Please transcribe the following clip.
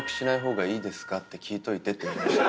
聞いといてって言われました。